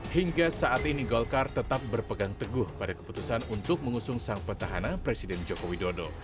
hingga saat ini golkar tetap berpegang teguh pada keputusan untuk mengusung sang petahana presiden joko widodo